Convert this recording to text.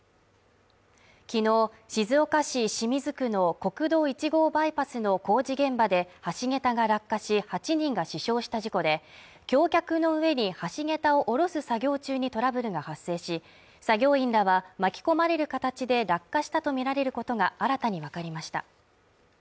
昨日、静岡市清水区の国道１号バイパスの工事現場で橋げたが落下し８人が死傷した事故で、橋脚の上に橋げたをおろす作業中にトラブルが発生し、作業員らは巻き込まれる形で落下したとみられることが新たにわかりました。